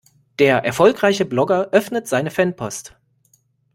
Der erfolgreiche Blogger öffnet seine Fanpost.